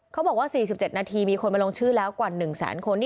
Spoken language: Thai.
เขาบอกว่า๔๗นาทีมีคนมาลงชื่อแล้วกว่า๑แสนคน